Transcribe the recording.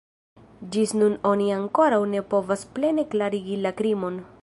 Ĝis nun oni ankoraŭ ne povas plene klarigi la krimon.